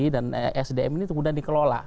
dan sdm ini itu kemudian dikelola